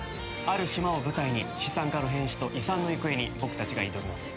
ある島を舞台に資産家の変死と遺産の行方に僕たちが挑みます。